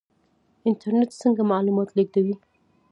انټرنیټ څنګه معلومات لیږدوي؟